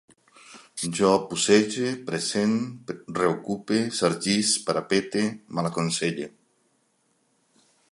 Jo pucege, pressent, reocupe, sargisc, parapete, malaconselle